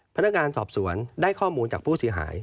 พนักงานสอบสวนได้ข้อมูลจากผู้เสียหาย